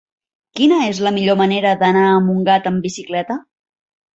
Quina és la millor manera d'anar a Montgat amb bicicleta?